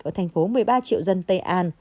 ở thành phố một mươi ba triệu dân tây an